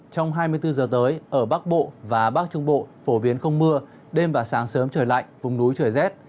trong hai mươi bốn giờ tới ở bắc bộ và bắc trung bộ phổ biến không mưa đêm và sáng sớm trời lạnh vùng núi trời rét